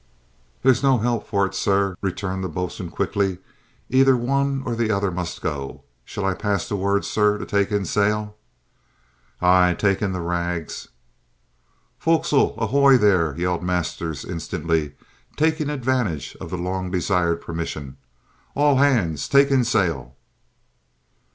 "There's no help for it, sir," returned the boatswain quickly. "Either one or t'other must go! Shall I pass the word, sir, to take in sail?" "Aye, take in the rags!" "Fo'c's'le, ahoy there!" yelled Masters instantly, taking advantage of the long desired permission. "All hands take in sail!"